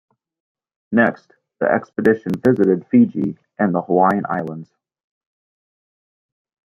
Next the expedition visited Fiji and the Hawaiian Islands.